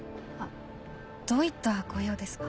どういったご用ですか？